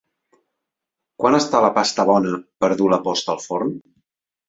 Quan està la pasta bona per a dur la post al forn?